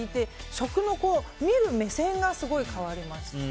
食を見る目線がすごく変わりました。